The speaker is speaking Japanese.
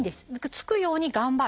つくように頑張る。